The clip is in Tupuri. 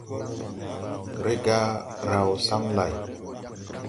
Rega raw saŋ lay.